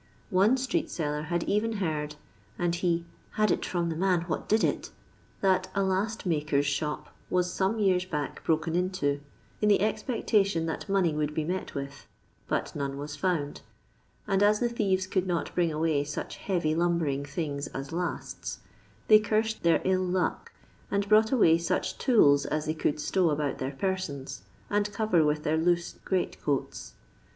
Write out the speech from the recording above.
One street seller had even heard, and he " had it from the man what did it," that a last maker's shop was some years back broken into in the expectation that money would be met with, but none was found ; and as the thieves could not bring away such heavy lumbering things as lasts, they cursed their ill luck, and brought away such tools as they could stow about their persons, and cover with their loose great coats.